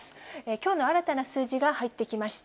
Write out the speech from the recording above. きょうの新たな数字が入ってきました。